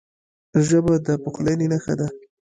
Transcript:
ژبه د پخلاینې نښه ده